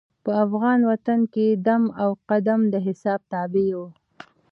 په افغان وطن کې دم او قدم د حساب تابع وو.